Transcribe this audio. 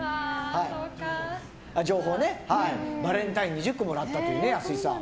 バレンタイン２０個もらったという、安井さん。